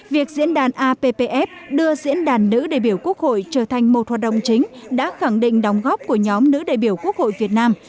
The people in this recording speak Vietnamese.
việc diễn đàn appf đưa diễn đàn nữ đại biểu quốc hội trở thành một hoạt động chính đã khẳng định đóng góp của nhóm nữ đại biểu quốc hội việt nam